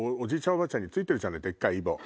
おばあちゃんについてるじゃないでっかいイボ。